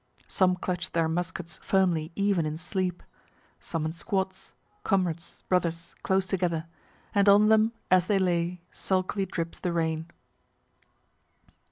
Some clutch their muskets firmly even in sleep. Some in squads; comrades, brothers, close together and on them, as they lay, sulkily drips the rain.